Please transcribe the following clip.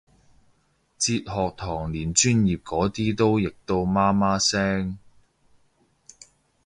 哲學堂連專業嗰啲都譯到媽媽聲